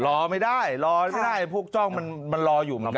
รอไม่ได้รอไม่ได้พวกจ้องมันรออยู่เหมือนกัน